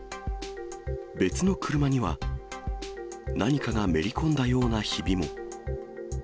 別の車には、何かがめり込んだようなひびも。